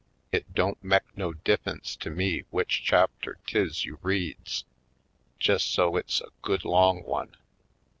It don't mek no diff'ence to me w'ich chapter 'tis you reads, jes' so it's a good long one.